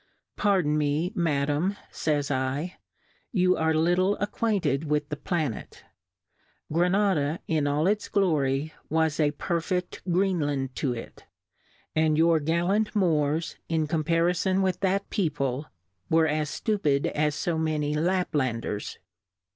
103 Pardon me, Madam, fays 7, you are little acquainted with the Planet ; Gra nada in all its Glory, was a perfect Greenland to it ; and your gallant Moorsy in compariibn with that Peo ple, were as ftupid as fo many La£}a?i* ders.